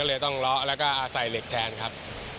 เลยต้องล้อแล้วก็ใส่เหล็กแทนครับ